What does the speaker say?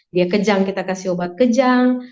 dia kejang kita kasih obat kejang